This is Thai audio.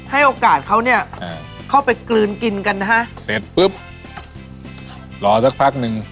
ให้โอกาสเขาเนี่ยเข้าไปกลืนกินกันนะฮะเสร็จปุ๊บรอสักพักหนึ่ง